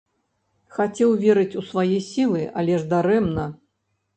Хацеў верыць у свае сілы, але ж дарэмна.